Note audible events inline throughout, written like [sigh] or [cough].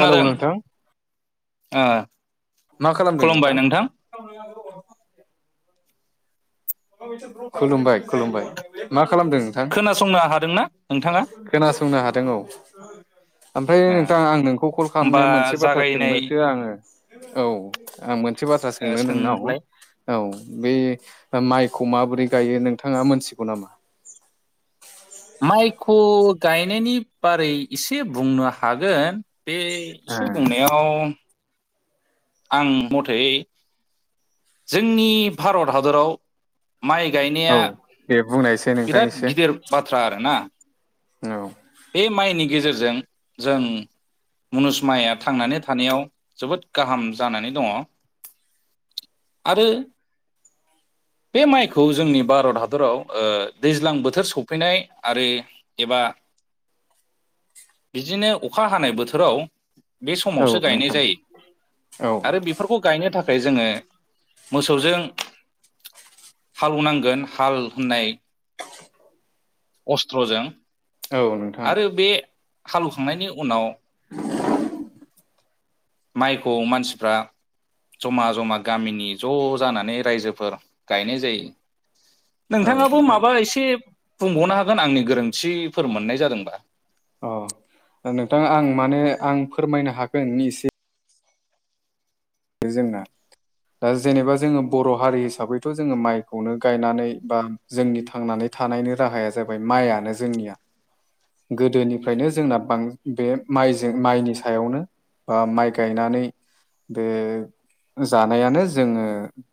Hello नोंथां आ मा खालामदों नोंथां खुलुमबाय खुलुमबाय मा खालामदों नोंथां खोनासंनो हादोंना नोंथाङा खोनासंनो हादों औ ओमफ्राय ओ नोंथां आं नोंखौ कल होमबा खालामनाया मोनसे बाथ्रा जागायनाय सोंनोसो आङो औ आं मोन बाथ्रा ओ सोंनो नोंनाव सोंलाय औ बे माइखौ माबोरै गायो नोंथाङा मोनथिगौ नामा माइखौ गायनायनि बारै एसे बुंनो हागोन बे ओ [unintelligible] बुंनायाव आं मथै जोंनि भारत हादराव माइ गायनाया औ दे बुंनायसै नोंथां बिराद एसे गिदिर बाथ्रा आरो ना औ बे माइनि गेजेरजों जों मुनुसमाया थांनानै थानायाव जोबोद गाहाम जानानै दङ आरो [inaudible] बे माइखौ जोंनि भारत हादराव ओ दैज्लां बोथोर सफैनाय आरो एबा बिदिनो अखा हानाय बोथोराव बे औ समावसो गायनाय नोंथां जायो औ आरो बेफोरखौ गायनो थाख खाय जोंङो मोसौजों हालवनांगोन हाल होननाय अस्त्रजों औ नोंथां आरो बे हालौखांनायनि उनाव [inaudible] माइखौ मानसिफ्रा जमा जमा गामिनि ज जानानै रायजोफोर गायनाय जायो औ नोंथांङाबो नोंथां माबा एसे बुंबावनो हागोन आंनि गोरोन्थिफोर मोननाय जादों अ नोंथां आं माने आं फोरमायनो हागोननि एसे बे जोंना दा जेनेबा जोंङो बर हारि हिसाबैथ जोंङो माइखौनो गायनानै बा जोंनि थांनानै थानायनि राहाया जाबाय माइआनो जोंनिया गोदोनिफ्रायनो जोंना बां बे माइजों माइनि सायावनो बा माइ गायनानै बे जानायानो जोंङो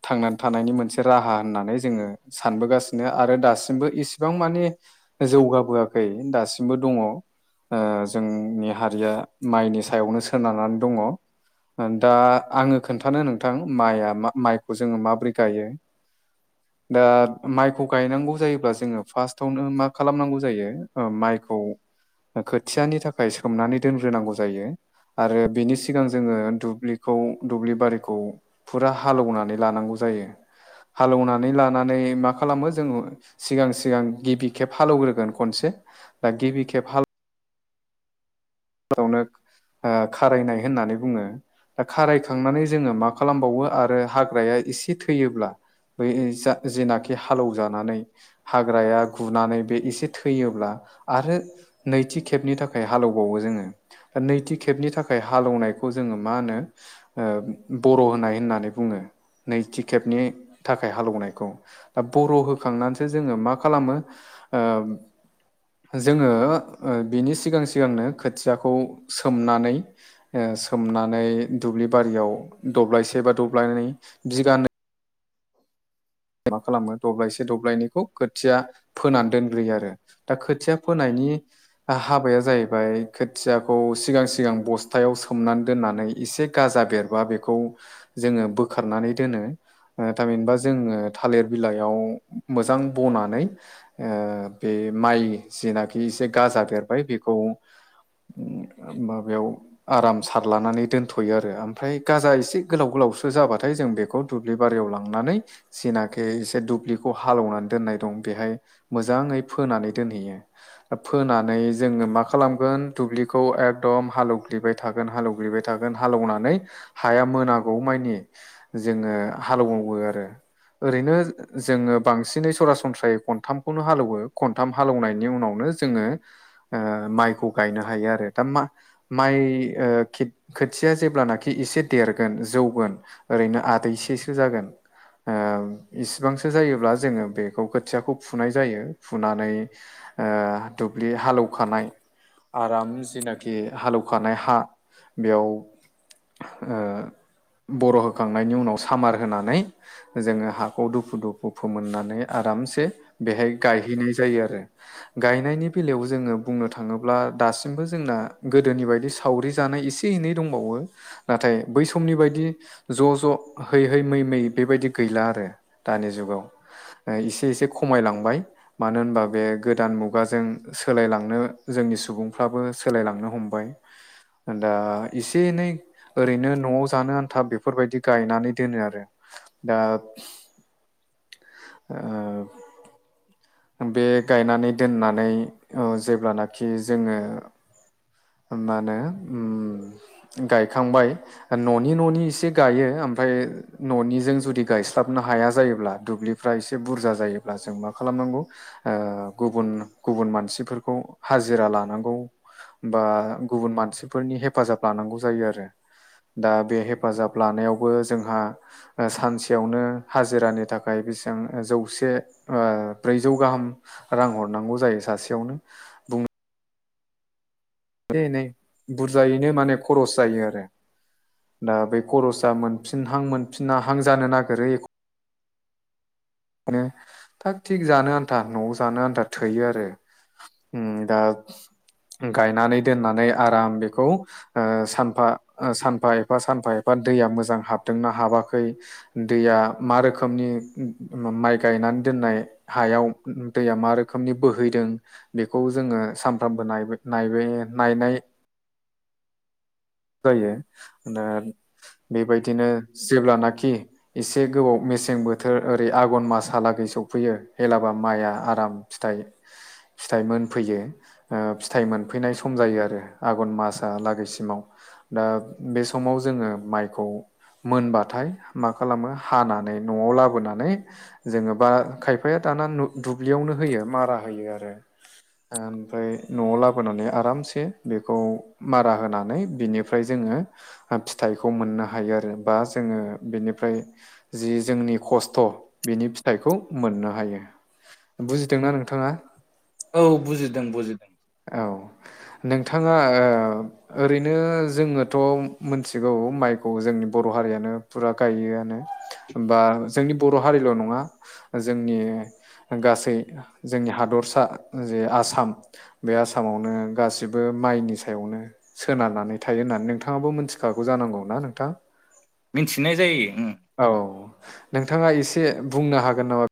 थांनानै थानायनि मोनसे राहा होननानै जोंङो सानबोगासिनो आरो दासिमबो इसिबां माने जौगाबोआखै दासिमबो दङ ओ जोंनि हारिया माइनि सायावनो सोनारनानै दङ दा आङो खोन्थानो नोंथां माइआ माइखो जोंङो माबोरै गायो दा माइखौ गायनांगौ जायोब्ला जोंङो फार्स्टावनो मा खालामनांगौ जायो ओ माइ खौ खोथियानि थाखाय सोमनानै दोनग्रोनांगौ जायो आरो बिनि सिगां जोंङो दुब्लिखौ दुब्लि बारिखौ फुरा हालौनानै लानांगौ जायो हालौनानै लानानै मा खालामो जोंङो सिगां सिगां गिबि खेब हालौग्रोगोन खनसे दा गिबि खेब हाल नो ओ खारायनाय होननानै बुङो दा खारायखांनानै जोंङो मा खालामबावो आरो हाग्राया इसे थैयोब्ला बै जा जेनाखि हालौजानानै हाग्राया गुनानै बे एसे थैयोब्ला आरो नैथि खेबनि थाखाय हालेबावो जोंङो दा नैथि खेबनि थाखाय हालेवनायखौ जोंङो मा होनो बर होनाय होननानै बुङो नैथि खेबनि थाखाय हालौनायखौ दा बर होखांनानैसो जोंङो मा खालामो ओ जोंङो बिनि सिगां सिगांनो खोथियाखौ सोमनानै ओ सोननानै दुब्लि बारियाव दब्लायसे दब्लायनै बिगानै [inaudible] मा खालामो दब्लायसे दब्लायनैखौ खोथिया फोनानै दोनग्रोयो आरो दा खोथिया फोनायनि नि हाबाया जाहैबाय खोथियाखौ सिगां सिगां बस्थायाव सोमनानै दोननानै एसे गाजा बेरबा बेखौ जोंङो बोखारनानै दोनो ओ थामहिनबा जोंङो थालिर बिलाइयाव मोजां बनानै ओ बे माइ जेनाखि एसे गाजा बेरबाय बेखौ माबायाव आराम सार लानानै दोनथ'यो आरो ओमफ्राय गाजा एसे गोलाव गोलाव सो जाबाथाय जों बेखौ दुब्लि बारियाव लांनानै जेनाखि एसे दुब्लिखौ हालेवनानै दोननाय दं बेहाय मोजाङै फोनानै दोनहैयो। फोनानै जोङो मा खालामगोन दुब्लिखौ एकदम हालेवग्लिबाय थागोन हालौग्लिबाय थागोन। गोन हालेवनानै हाया मोनांगौ मानि जोङो हालौवो आरो। ओरैनो जोङो बांसिनै सरासनस्रायै खनथामखौनो हालौवो खनथाम हालौनायनि उनाव नो जोङो ओ माइखौ गायनो हायो आरो दा माइ ओ खोथिया जेब्लानाखि एसे देरगोन जौगोन ओरैनो आदैसेसो जागोन ओम। इसिबांसो जायोब्ला जोङो बेखौ खोथियाखौ फुनाय जायो फुनानै ओ दुबि - दुब्लि हालौखानाय आराम जिनाखि हालौखानाय हा बेयाव ओ बर' होखांनायनि उनाव सामार होनानै जोङो हाखौ दुफु दुफु फोमोननानै आरामसे बेहाय गायहैनाय जायो आरो। गायनायनि बेलायाव जोङो बुंनो थाङोब्ला दासिमबो जोंना गोदोनि बायदि सावरि जानाय एसे एनै दंबावो नाथाय बै समनि बायदि ज' ज' है हैै मै मै बेबायदि गैला आरो दानि जुगाव। एसे एसे खमायलांबाय मानो होनबा बे गोदान मुगाजों सोलायलांनो जों जोंनि सुबुंफ्राबो सोलायलांनो हमबाय। दा एसे एनै ओरैनो न'आव जानो आनथा बेफोरबायदि गायनानै दोनो आरो। दा ओ बे गायनानै दोननानै आं जेब्लानाखि जोङो मा होनो ओम गायखांबाय न'नि न'नि इसे गायो ओमफाय न'निजों जुदि गायस्लाबनो हाया जायोब्ला दुब्लिफ्रा एसे बुरजा जायोब्ला जों मा खालाम गौ ओ गुब गुबुन मानसिफोरखौ हाजिरा लानांगौ। बा गुबुन मानसिफोरनि हेफाजाब लानांगौ जायो आरो। दा बे हेफाजाब लानायावबो जोंहा सानसेयावनो हाजिरानि थाखाय बेसेबां जौसे ओ ब्रैजौ गाहाम रां हरनांगौ जायो सासेयावनो बुं ए एनै बुरजायैनो माने खरस जायो आरो। दा बै खरसाआ मोनफिनहां मोनफिना हां जानो नागिरो एख नो थाग थिग जानो आन्था न'आव जानो आन्था थोयो आरो। उम दा गायनानै दोननानै आराम बेखौ ओ सानफा सानफा एफा सानफा एफा दैया मोजां हाबदोंना हाबाखै दैया मा रोखोमनि मा माइ गायनानै दोननाय हायाव दैया मा रोखोमनि बोहैदों बेखौ जोङो सानफ्रामबो नायबाय नायनाय [unintelligible] जायो दा बेबायदिनो जेब्लानाखि एसे गोबाव मे मेसें बोथोर ओरै आघन माासहालागै सफैयो हेलाबा माइआ आराम फिथाइ। फिथाइ मोनफैयो ओ फिथाइ मोनफैनाय सम जायो आरो आघन मासालागैसिमाव। दा बे समाव जोङो माइखौ मोनबाथाय मा खालामो हानानै न'आव लाबोनानै जोङो बा खायफाया दा ना दु-दुब्लियावनो होयो मारा होयो आरो। ओमफ्राय न'आव लाबोनानै आरामसे बेखौ मारा होनानै बिनिफ्राय जोङो फिथाइखौ मोननो हायो आरो बा जोङो बिनिफ्राय जि जोंनि खस्थ' बिनि फिथाइखौ मोननो हायो। बुजिदोंना नोंथाङा? औ बुजिदों बुजिदों। औ नोंथाङा ओ ओरैनो जोङोथ' मोनथिगौ माइखौ जोंनि बर' हारियानो फुरा गायोआनो बा जोंनि बर' हारिल' नङा जोंनि गासै जोंनि हादरसा जे आसाम बे आसामावनो गासिबो माइनि सायावनो सोनार नानै थायो होननानै नोंथाङाबो मिथिखागौ जा नंगौ ना नोंथां? मिथिनाय जायो उम औ नोंथाङा एसे बुंनो हागोन नामा?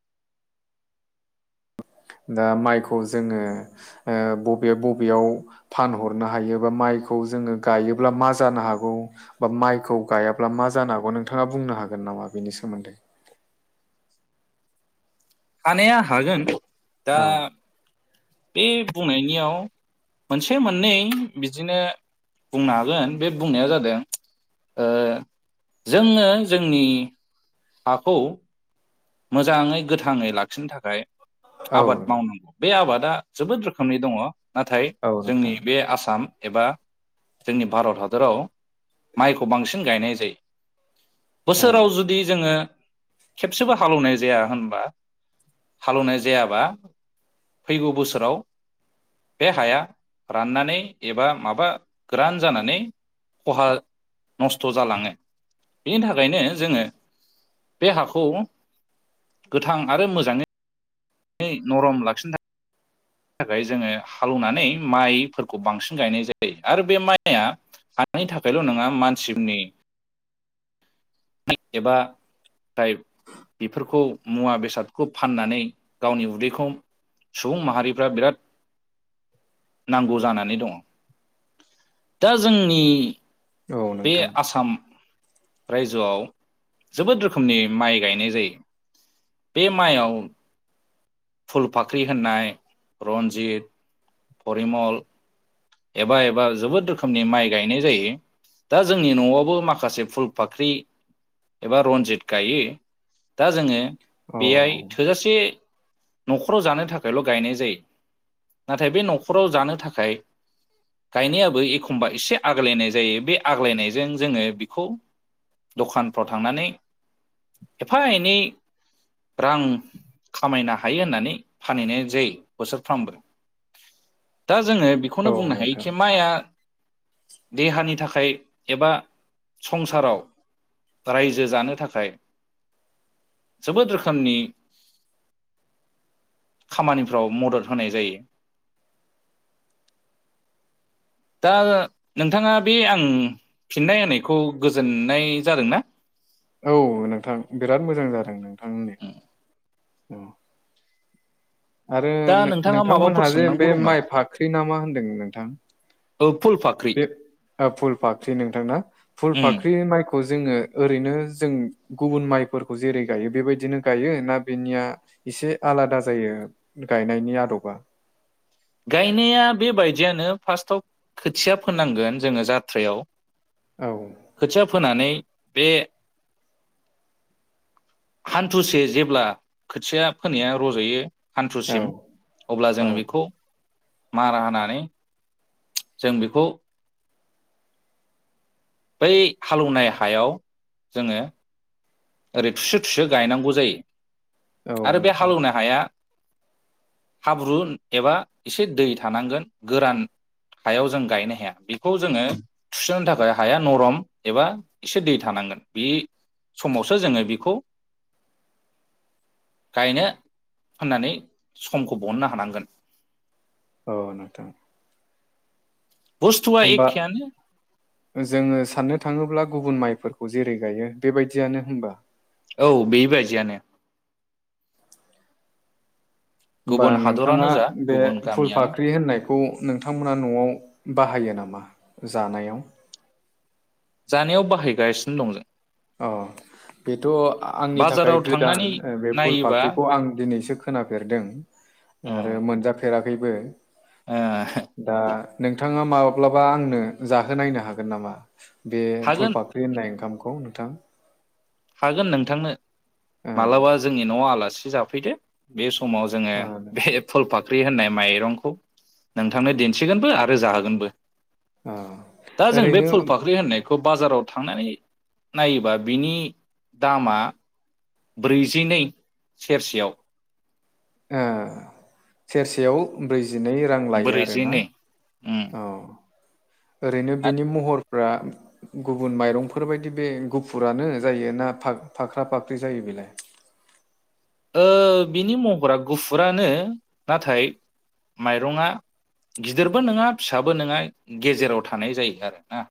दा माइखौ जोङो बबे बबेयाव फानहरनो हायोबा माइखौ जोङो गायोब्ला मा जानो हागौ बा माइखौ गायाब्ला मा जानो हागौ नोंथाङा बुंनो हा हागोन नामा बेनि सोमोन्दै? हानाया हागोन दा औ बे बुंनायनियाव मोनसे मोननै बिदिनो बुंनो हागोन बे बुंनाया जादों ओ जोङो जोंनि हाखौ मोजाङै गोथाङै लाखिनो थाखाय औ आबाद मावनांगौ बे आबादा जोबोद रोखोमनि दङ। नाथाय औ जोंनि नोंथां बे आसाम एबा जोंनि भारत हादराव माइखौ बांसिन गायनाय जायो। बोसोराव औ जुदि जोङो खेबसेबो हालेवनाय जाया होनबा? हालेवनाय जायाबा फैगौ बोसोराव बे हाया राननानै एबा माबा गोरान जानानै खहा नस्थ' जालाङो बेनि थाखायनो जोङो बे हाखौ गोथां आरो मोजाङै बे नरम लाखिनो थाख थाखाय जोङो हालौनानै माइफोरखौ बांसिन गायनाय जायो आरो बे माइआ हानि थाखायल' नोङा मानसिबनि एबा गाय बेफोरखौ मुवा बेसादखौ फाननानै गावनि उदैखौ सुबुं माहारिफ्रा बिराद नांगौ जानानै दङ दा जोंनि औ बे नोंथां आसाम रायजोआव जोबोद रोखोमनि माइ गायनाय जायो। बे माइआव फुल फाख्रि होननाय रन्जित परिमल एबा एबा जोबोद रोखोमनि माइ गायनाय जायो। दा जोंनि न'आवबो माखासे फुल फाख्रि एबा रनजित गायो। दा जोङो औ बेयाय थोजासे न'खराव जानो थाखायल' गायनाय जायो। नाथाय बे न'खराव जानो थाखाय गायनायाबो एखमबा एसे आग्लायनाय जायो। बे आग्लायनायजों जोङो बिखौ दखानफ्राव थांनानै एफा एनै रां खामायनो हायो होननानै फानहैनाय जायो बोसोरफ्रामबो। [inaudible] दा जोङो बेखौनो औ बुंनो नोंथां हायोखि माइआ देहानि थाखाय एबा संसाराव रायजो जानो थाखाय जोबोद रोखोमनि खामानिफ्राव मदद होनाय जायो। दा नोंथाङा बे आं फिननाय होननायखौ गोजोननाय जादोंना? औ नोंथां बिराद मोजां जादों नोंथांनि उम आरो दा नोंथाङा माबाफोर नोंथांमोनहा जे सोंनांगौ बे दं माइ फाख्रि ना मा? होनदों नोंथां ओ फुल फाख्रि फुलफाख्रि नोंथां ना? उम फुलफाख्रि माइखौ जोङो ओरैनो जों गुबुन माइफोरखौ जेरै गायो बेबायदिनो गायो ना बेनिया एसे आलादा जायो? गायनायनि आदबा गायनाया बेबायदियानो फार्स्टआव खोथिया फोनांगोन जोङो जात्रायाव औ खोथिया फोनानै बे हान्थुसे जेब्ला खोथिया फोनाया रज'यो औ हान्थुसिम अब्ला औ जोङो बेखौ मारा होनानै जों बेखौ बै हालौवनाय हायाव जोङो ओरै थुसु थुसो गायनांगौ जायो औ आरो बे नोंथां हालेवनाय हाया हाब्रु एबा एसे दै थानांगोन गोरान हायाव जों गायनो हाया बेखौ जोङो थुसुनो थाखाय हाया नरम एबा एसे दै थानांगोन बे समावसो जोङो बेखौ गायनो होननानै समखौ बहननो हानांगोन औ नोंथां बुस्थुआ होमबा एखेयानो जोङो साननो थाङोब्ला गुबुन माइफोरखौ जेरै गायो बेबायदियानो होमबा? औ बेबायदियानो होमबा गुबुन हादरानो नोंथाङा जा बे गुबुन फुल गामियानो फाख्रि होननाय खौ नोंथांमोना न'आव बाहायो नामा जानायाव? जानायाव बाहायगासिनो दं जों औ बेथ' आंनि थाखाय बाजाराव गोदान थांनानै बे फुल नायोबा फाख्रिखौ आं दिनैसो खोनाफेरदों ओ आरो मोनजाफेराखैबो ओ दा नोंथाङा माब्लाबा आंनो जाहोनायनो हागोन नामा? बे हागोन फुलफाख्रि होननाय ओंखामखौ खौ नोंथां हागोन नोंथांनो औ मालाबा जोंनि न'आव आलासि जाफैदो बे सम समाव जोङो ओ बे फुलफाख्रि बे होननाय माइरंखौ नोंथांनो दिन्थिगोनबो आरो जाहोगोनबो ओ दा जों बे ओरैनो फुल फाख्रि होननायखौ बाजाराव थांनानै नायोबा बिनि दामा ब्रैजिनै सेरसेयाव सेरसेयाव ब्रै जिनै रां लायो आरोना ब्रैजिनै उम अ ओरैनो बिनि महर फ्रा गुबुन माइरंफोरबायदि बे गुफुरानो जायो ना फाख्रा फाख्रि जायो बेलाय? ओ बिनि महरा गुफुरानो नाथाय माइरंंआ गिदिरबो नङा फिसाबो नङा गेजेराव थानाय जायो आरो ना